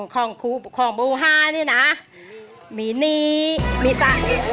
ของหมูฮานี่นะ